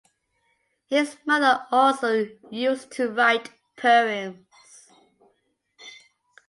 His mother also used to write poems.